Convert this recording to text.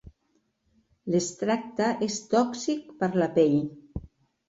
L'extracte és tòxic per la pell.